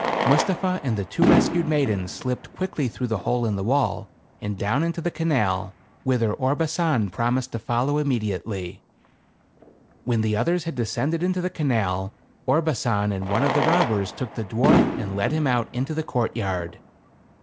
Mustapha and the two rescued maidens slipped quickly through the hole in the wall, and down into the canal, whither Orbasan promised to fol low immediately. When the others had descended into the canal, Orbasan and one of the robbers took the dwarf and led him out into the courtyard.